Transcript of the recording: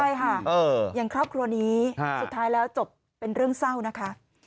ใช่ค่ะอย่างครอบครัวนี้สุดท้ายแล้วจบเป็นเรื่องเศร้านะคะ